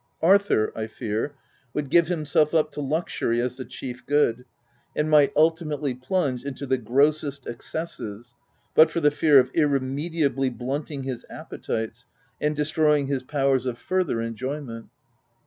Arthur, I fear, would give himself up to luxury as the chief good, and might ultimately plunge into the grossest excesses, but for the fear of irremediably blunt ing his appetites, and destroying his powers of OP WILDFELL HALL. 251 further enjoyment.